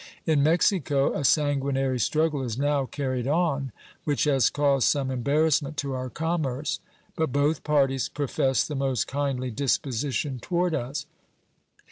In Mexico a sanguinary struggle is now carried on, which has caused some embarrassment to our commerce, but both parties profess the most friendly disposition toward us.